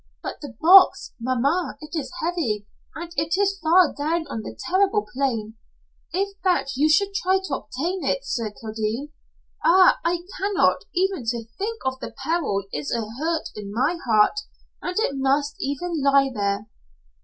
"But the box, mamma, it is heavy, and it is far down on the terrible plain. If that you should try to obtain it, Sir Kildene: Ah, I cannot! Even to think of the peril is a hurt in my heart. It must even lie there."